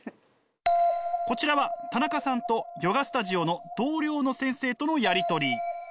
こちらは田中さんとヨガスタジオの同僚の先生とのやり取り。